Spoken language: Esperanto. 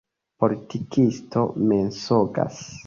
Politikistoj mensogas.